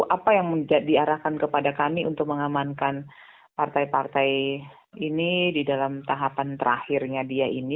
apa yang diarahkan kepada kami untuk mengamankan partai partai ini di dalam tahapan terakhirnya dia ini